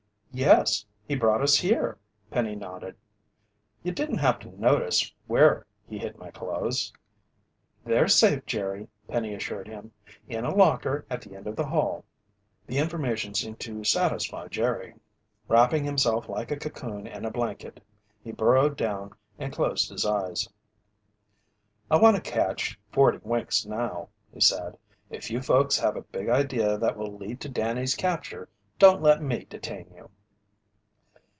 "Yes, he brought us here," Penny nodded. "You didn't happen to notice where he hid my clothes?" "They're safe, Jerry," Penny assured him. "In a locker at the end of the hall." The information seemed to satisfy Jerry. Wrapping himself like a cocoon in a blanket, he burrowed down and closed his eyes. "I want to catch forty winks now," he said. "If you folks have a big idea that will lead to Danny's capture, don't let me detain you."